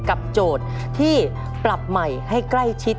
โจทย์ที่ปรับใหม่ให้ใกล้ชิด